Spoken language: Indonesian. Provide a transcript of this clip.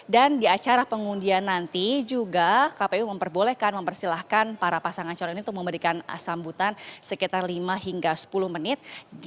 dan di acara pengundian nanti juga kpu memperbolehkan mempersilahkan para pasangan cowok ini untuk memberikan sambutan sekitar lima hingga sepuluh menit